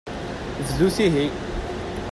Bdut ihi.